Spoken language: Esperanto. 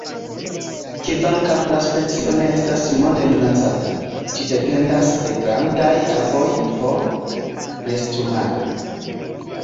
Kvankam la specio ne estas monde minacata, ĝi dependas de grandaj arboj por nestumado.